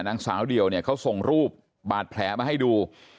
นางสาวเดี่ยวเนี่ยเขาส่งรูปบาดแผลมาให้ดู